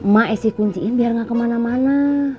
ma esi kunciin biar gak kemana mana